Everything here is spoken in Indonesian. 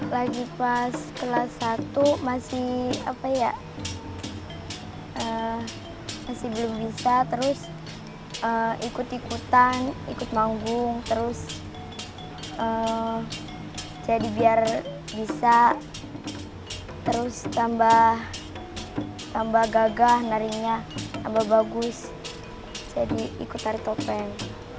lagi pas kelas satu masih belum bisa terus ikut ikutan ikut manggung terus jadi biar bisa terus tambah gagah naringnya tambah bagus jadi ikut tari topeng